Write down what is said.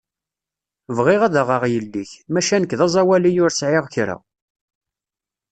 Bɣiɣ ad aɣeɣ yell-ik, maca nekk d aẓawali ur sɛiɣ kra.